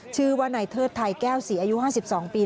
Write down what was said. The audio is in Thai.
ชื่อว่านายเทิดไทยแก้วศรีอายุ๕๒ปี